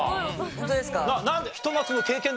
ホントですか？